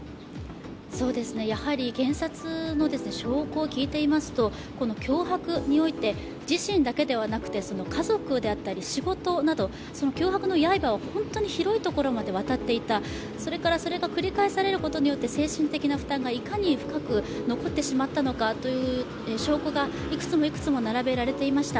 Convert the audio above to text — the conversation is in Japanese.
やはり検察の証拠を聞いていますと、脅迫において、自身だけではなくて家族であったり仕事などその脅迫の刃は広いところまで渡っていた、それからそれが繰り返されることによって精神的な負担がいかに深く残ってしまったのかという証拠がいくつもいくつも並べられていました。